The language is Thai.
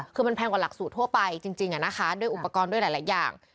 คือมันแพงกว่าหลักสูตรทั่วไปจริงด้วยอุปกรณ์ด้วยหลายอย่าง